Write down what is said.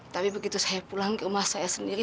tapi begitu saya pulang ke rumah saya sendiri